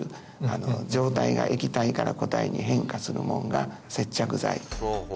状態が液体から固体に変化するもんが接着剤。